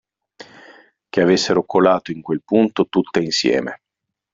Che avessero colato in quel punto tutte insieme.